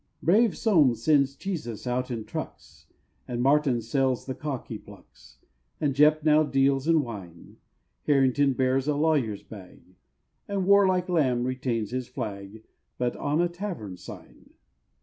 Brave Soame sends cheeses out in trucks, And Martin sells the cock he plucks, And Jepp now deals in wine; Harrington bears a lawyer's bag, And warlike Lamb retains his flag, But on a tavern sign.